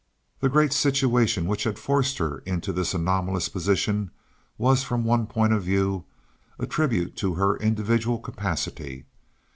The great situation which had forced her into this anomalous position was from one point of view a tribute to her individual capacity.